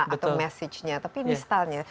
atau message nya tapi ini stylenya